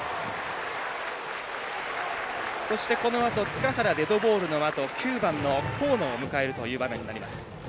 そして、このあと塚原デッドボールのあと９番の河野を迎えるという場面になります。